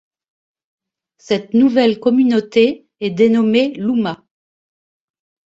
Cette nouvelle communauté est dénommé l'oumma.